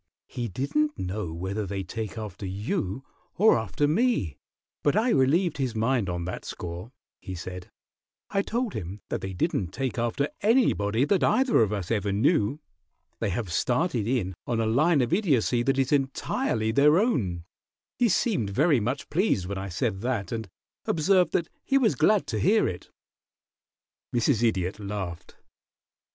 "He didn't know whether they take after you or after me, but I relieved his mind on that score," he said. "I told him that they didn't take after anybody that either of us ever knew. They have started in on a line of Idiocy that is entirely their own. He seemed very much pleased when I said that, and observed that he was glad to hear it." Mrs. Idiot laughed.